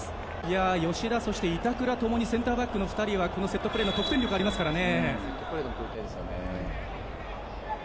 吉田、板倉ともにセンターバック２人はこのセットプレー得点力がありますからね。